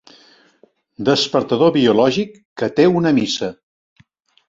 Despertador biològic que té una missa.